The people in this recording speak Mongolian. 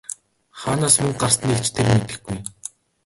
Хаанаас мөнгө гарсныг ч тэр мэдэхгүй!